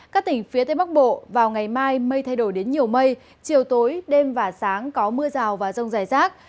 các tỉnh phía tây bắc bộ vào ngày mai mây thay đổi đến nhiều mây chiều tối đêm và sáng có mưa rào và rông dài rác